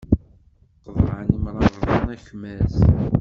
Qeḍɛen imrabḍen akmaz.